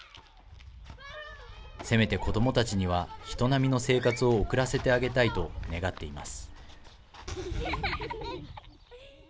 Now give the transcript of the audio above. せめて子どもたちには人並みの生活を送らせてあげたいと願っています。